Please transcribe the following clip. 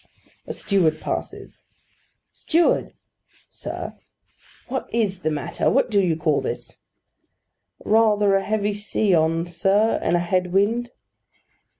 A steward passes. 'Steward!' 'Sir?' 'What is the matter? what do you call this?' 'Rather a heavy sea on, sir, and a head wind.